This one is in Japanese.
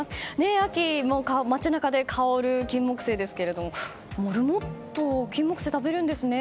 秋の街中で香るキンモクセイですがモルモットキンモクセイ食べるんですね。